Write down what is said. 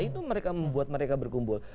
itu membuat mereka berkumpul